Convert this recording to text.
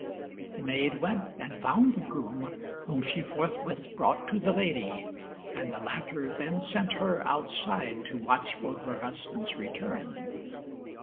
The maid went and found the groom, whom she forthwith brought to the lady, and the latter then sent her outside to watch for her husband's return.